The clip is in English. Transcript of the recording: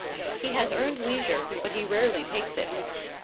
He has earned leisure, but he rarely takes it.